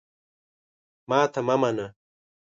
ماته مه منه !